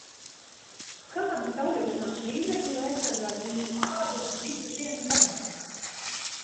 Kādi sauļošanās līdzekļi var aizsargāt jūsu ādu visas dienas garumā?